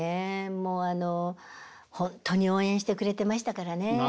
もう本当に応援してくれてましたからね。